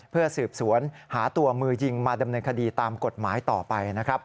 เพื่อสืบสวนหาตัวมือยิงมาดำเนินคดีตามกฎหมายต่อไปนะครับ